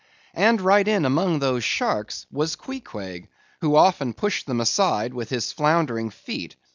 And right in among those sharks was Queequeg; who often pushed them aside with his floundering feet.